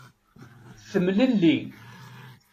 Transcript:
Temlelli.